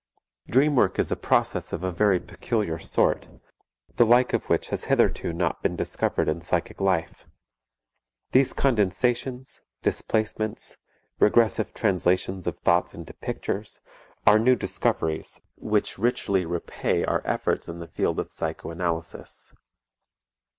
Dream work is a process of a very peculiar sort, the like of which has hitherto not been discovered in psychic life. These condensations, displacements, regressive translations of thoughts into pictures, are new discoveries which richly repay our efforts in the field of psychoanalysis.